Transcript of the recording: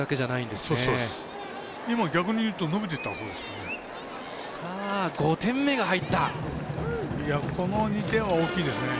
でも、逆に言うと伸びていったほうですね。